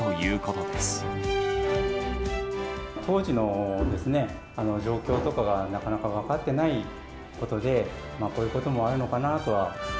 当時の状況とかが、なかなか分かってないことで、こういうこともあるのかなとは。